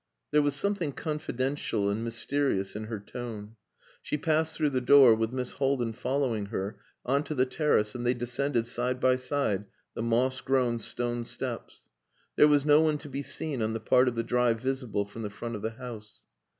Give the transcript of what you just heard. There was something confidential and mysterious in her tone. She passed through the door, with Miss Haldin following her, on to the terrace, and they descended side by side the moss grown stone steps. There was no one to be seen on the part of the drive visible from the front of the house.